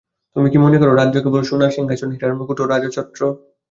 তুমি কি মনে কর রাজ্য কেবল সোনার সিংহাসন, হীরার মুকুট ও রাজছত্র?